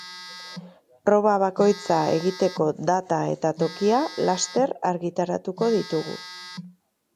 Proba bakoitza egiteko data eta tokia laster argitaratuko ditugu.